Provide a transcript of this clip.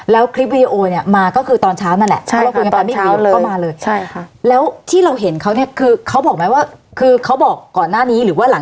แล้วคลิปวิดีโอเนี่ยมาก็คือตอนเช้านั่นแหละ